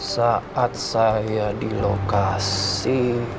saat saya di lokasi